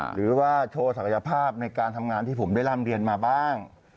หรือว่าโชว์ศักยภาพในการทำงานที่ผมได้ร่ำเรียนมาบ้าง